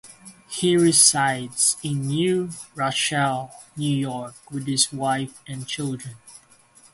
He resides in New Rochelle, New York, with his wife and children.